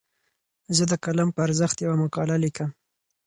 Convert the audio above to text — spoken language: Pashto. زه د قلم په ارزښت یوه مقاله لیکم.